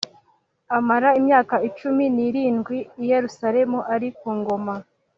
amara imyaka cumi n’irindwi i Yerusalemu ari ku ngoma